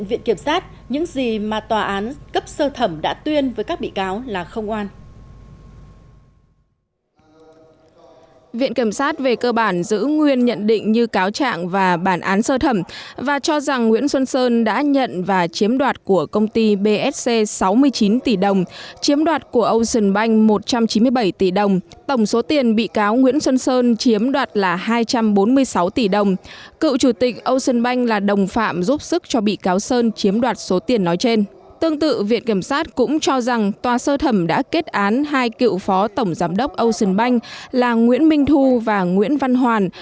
viện kiểm sát cũng cho rằng tòa sơ thẩm đã kết án hai cựu phó tổng giám đốc ocean bank là nguyễn minh thu và nguyễn văn hoàn